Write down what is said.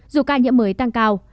dù ca nhiễm mới tăng cao